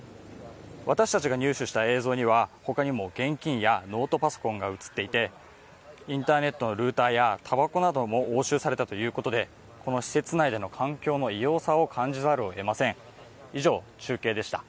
私たちが入手した映像には、他にも現金やノートパソコンが映っていてインターネットのルーターやたばこなども押収されたということで、この施設内での環境の異様さを感じざるをえません。